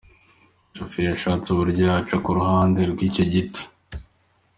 Umushoferi yashatse uburyo yaca ku ruhande rw’icyo giti.”